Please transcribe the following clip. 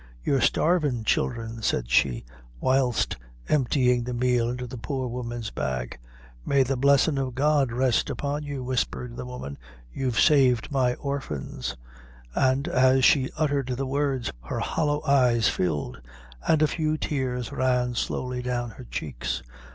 "You're starvin', childre," said she, whilst emptying the meal into the poor woman's bag. "May the blessin' of God rest upon you," whispered the woman, "you've saved my orphans;" and, as she uttered the words, her hollow eyes filled, and a few tears ran slowly down her cheeks.